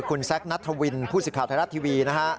คุณแซคณัฐวินผู้สิทธิภาพไทยรัชทราบที่วี